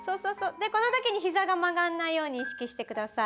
でこのときにひざがまがんないようにいしきしてください。